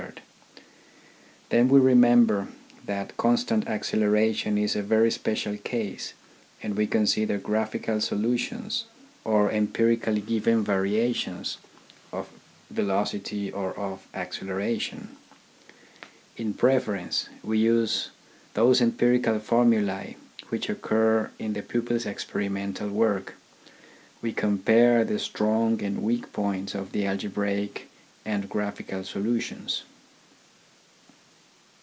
Then we remember that constant acceleration is a very special case, and we consider graphical solutions or empirically given variations of v or of /. In preference, we use those empirical formulae which occur in the pupil's experimental work. We compare the strong and weak points of the algebraic and graphical solutions.